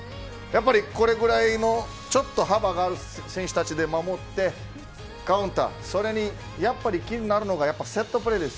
これぐらいのちょっと幅がある選手たちで守ってカウンターそれにやっぱり気になるのがセットプレーです。